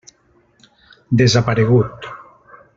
Desaparegut.